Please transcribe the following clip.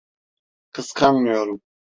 Kıskanmıyorum.